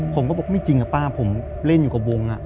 ผมก็บอกไม่จริงอะป้าผมเล่นอยู่กับวง